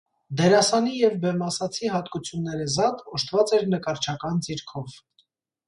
Դերասանի եւ բեմբացացի յատկութիւններէ զատ օժտուած էր նըկարչական ձիրքով։